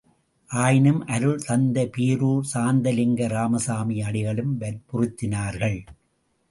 ஆயினும் அருள் தந்தை பேரூர் சாந்தலிங்க இராமசாமி அடிகளும் வற்புறுத்தினார்கள்!